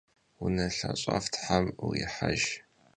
Vunelhaş'ef' them vurihejj!